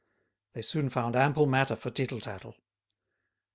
They soon found ample matter for tittle tattle.